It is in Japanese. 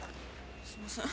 すいません。